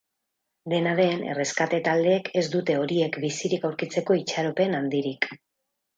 Dena den, erreskate taldeek ez dute horiek bizirik aurkitzeko itxaropen handirik.